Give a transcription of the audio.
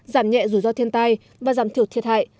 giảm nhẹ rủi ro thiên tai và giảm thiểu thiệt hại